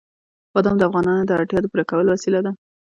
بادام د افغانانو د اړتیاوو د پوره کولو وسیله ده.